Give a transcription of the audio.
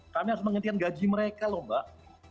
kami harus menghentikan gaji mereka loh mbak